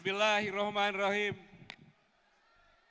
assalamualaikum warahmatullahi wabarakatuh